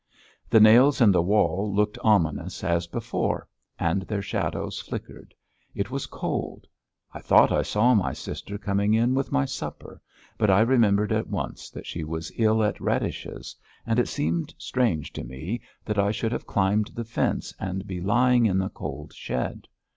The nails in the wall looked ominous as before and their shadows flickered. It was cold. I thought I saw my sister coming in with my supper, but I remembered at once that she was ill at Radish's, and it seemed strange to me that I should have climbed the fence and be lying in the cold shed.